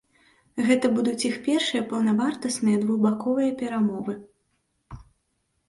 Гэта будуць іх першыя паўнавартасныя двухбаковыя перамовы.